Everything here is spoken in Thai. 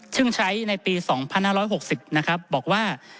ซึ่งใช้ในปี๒๕๖๐นะครับบอกว่า